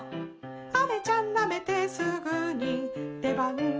「あめちゃんなめてすぐに出番来て」